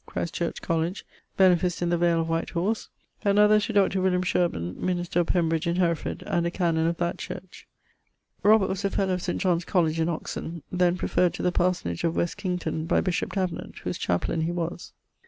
C. Coll., beneficed in the Vale of White Horse), another to Dr. Sherburne (minister of Pembridge in Hereford, and a canon of that church). [LII.] Robert was a fellow of St. John's College in Oxon: then preferred to the parsonage of West Kington by bishop Davenant, whose chaplaine he was.